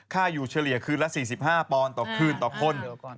ค่าอยู่เฉลี่ยคืนละ๔๕ปอนด์ต่อคืนต่อคน